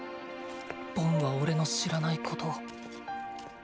ボンはおれの知らないことを。